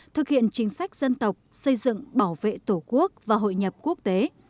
thực hiện chính sách dân tộc xây dựng bảo vệ tổ quốc và hội nhập quốc tế